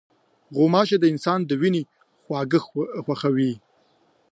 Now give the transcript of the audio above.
غوماشې د انسان د وینې خواږه خوښوي.